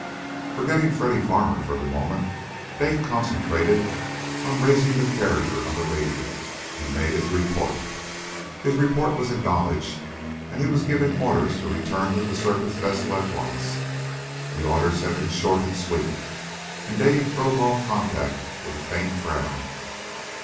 Forgetting Freddy Farmer for the moment, Dave concentrated on raising the carrier on the radio, and made his report. His report was acknowledged, and he was given orders to return to the surface vessel at once. The orders had been short and sweet, and Dave broke off contact with a faint frown.